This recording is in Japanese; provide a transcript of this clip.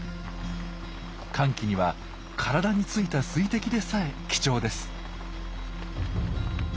乾季には体についた水滴でさえ貴重です。